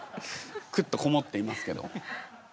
くっとこもっていますけど。